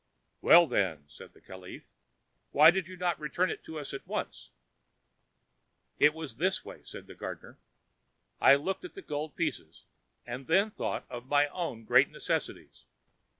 '" "Well, then," said the caliph, "why did you not return it to us at once?" "It was this way," said the gardener: "I looked at the gold pieces, and then thought of my own great necessities.